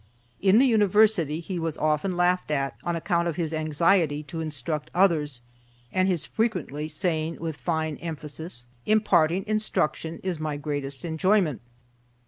In the University he was often laughed at on account of his anxiety to instruct others, and his frequently saying with fine emphasis, "Imparting instruction is my greatest enjoyment."